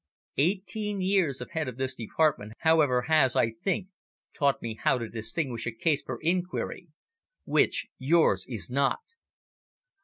Eighteen years as head of this Department, however, has, I think, taught me how to distinguish a case for inquiry which yours is not."